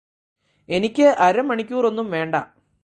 എനിക്ക് അരമണിക്കൂറൊന്നും വേണ്ട